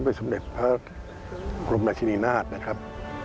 พร้อมด้วยสำเด็จพรกรมราชินินาตนะครับ